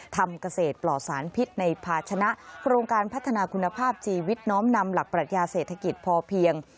ทำเกษตรปลอดสารพิษในภาชนะโครงการพัฒนาคุณภาพชีวิตน้อมนำหลักปรัชญาเศรษฐกิจพอเพียง